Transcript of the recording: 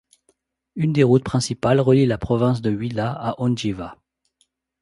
Une des routes principales relie la province du Huila à Ondjiva.